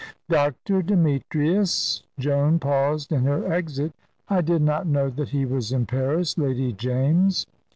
"Dr. Demetrius!" Joan paused in her exit. "I did not know that he was in Paris, Lady James."